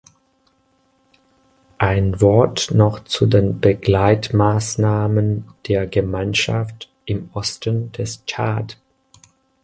Ein Wort noch zu den Begleitmaßnahmen der Gemeinschaft im Osten des Tschad.